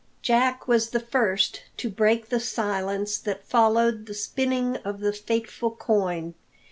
Jack was the first to break the silence that followed the spinning of the fateful coin.